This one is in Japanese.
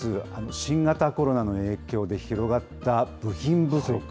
新型コロナの影響で広がった部品不足。